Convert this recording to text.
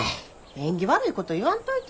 縁起悪いこと言わんといて。